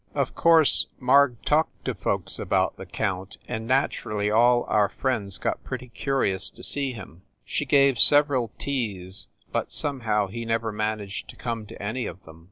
Of course Marg talked to folks about her count, and naturally all our friends got pretty curious to see him. She gave several teas, but somehow he never managed to come to any of them.